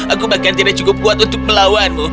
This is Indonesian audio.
aku bahkan tidak cukup kuat untuk melawanmu